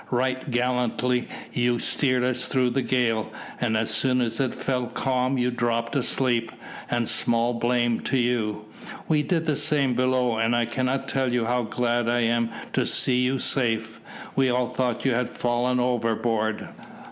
"Right gallantly you steered us through the gale, and as soon as it fell calm you dropped asleep, and small blame to you. We did the same below, and I cannot tell you how glad I am to see you safe: we all thought you had fallen overboard."